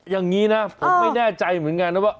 อย่างนี้นะผมไม่แน่ใจเหมือนกันนะว่า